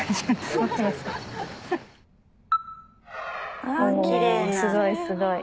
すごいすごい。